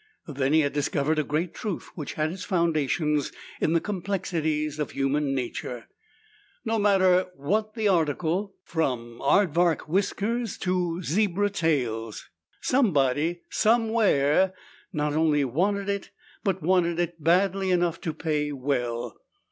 Then he had discovered a great truth which had its foundations in the complexities of human nature. No matter what the article, from aardvark whiskers to zebra tails, somewhere somebody not only wanted it but wanted it badly enough to pay well.